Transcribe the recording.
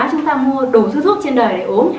chúng ta mua đủ thứ thuốc trên đời để uống